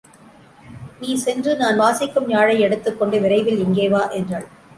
நீ சென்று நான் வாசிக்கும் யாழை எடுத்துக்கொண்டு விரைவில் இங்கே வா! என்றாள்.